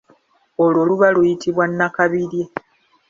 Olwo luba luyitibwa nnakabirye.